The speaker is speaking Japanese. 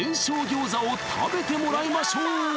餃子を食べてもらいましょう！